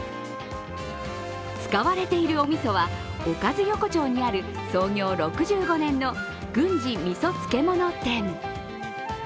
使われているおみそは、おかず横丁にある創業６５年の郡司味噌漬店。